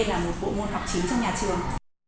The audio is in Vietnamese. là một bộ nguồn học chính trong nhà trường